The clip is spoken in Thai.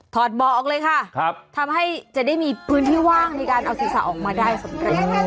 เบาะออกเลยค่ะทำให้จะได้มีพื้นที่ว่างในการเอาศีรษะออกมาได้สำเร็จ